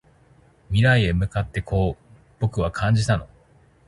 未来へ向かってこう僕は感じたの